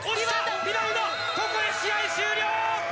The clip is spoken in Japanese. ここで試合終了！